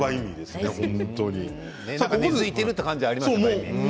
根づいているっていう感じがありましたね。